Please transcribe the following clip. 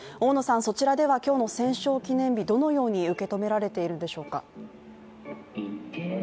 そちらでは今日の戦勝記念日、どのように受け止められているんでしょうか。